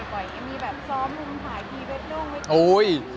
มีสอบ๑๒๘เว็ต